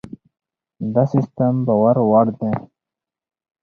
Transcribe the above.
دا سیستم باور وړ دی.